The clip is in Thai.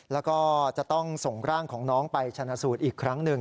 แล้วก็จะต้องส่งร่างของน้องไปชนะสูตรอีกครั้งหนึ่ง